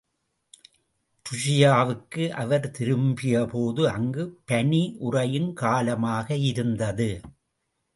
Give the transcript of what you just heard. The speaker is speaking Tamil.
ருஷியாவுக்கு அவர் திரும்பியபோது அங்கு பனி உறையும் காலமாக இருந்தது.